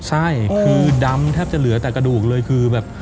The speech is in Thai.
ใช่คือดำแทบจะเหลือแต่กระดูกเลยคือแบบ